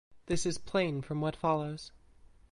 This is plain from what follows.